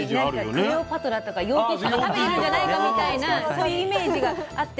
クレオパトラとか楊貴妃が食べてるんじゃないかみたいなそういうイメージがあって。